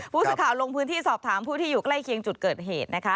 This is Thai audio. ผู้สื่อข่าวลงพื้นที่สอบถามผู้ที่อยู่ใกล้เคียงจุดเกิดเหตุนะคะ